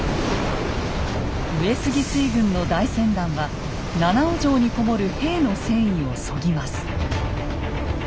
上杉水軍の大船団は七尾城に籠もる兵の戦意を削ぎます。